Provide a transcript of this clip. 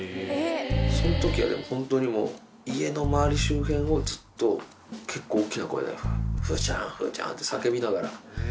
そのときは、でも本当にもう、家の周り、周辺をずっと結構、大きな声で、風ちゃん、風ちゃんって叫びながら。